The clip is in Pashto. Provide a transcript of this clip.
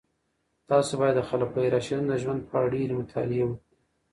تاسو باید د خلفای راشدینو د ژوند په اړه ډېرې مطالعې وکړئ.